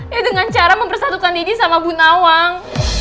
ya dengan cara mempersatukan diri sama bu nawang